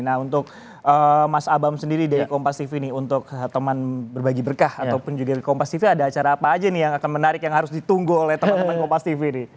nah untuk mas abam sendiri dari kompas tv nih untuk teman berbagi berkah ataupun juga dari kompas tv ada acara apa aja nih yang akan menarik yang harus ditunggu oleh teman teman kompas tv nih